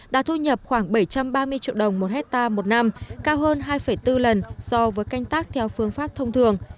đã thu nhập khoảng bảy trăm ba mươi triệu đồng một hectare một năm cao hơn hai bốn lần so với canh tác theo phương pháp thông thường